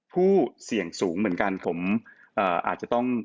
ผู้เสี่ยงสูงเหมือนกันผมอาจจะต้อง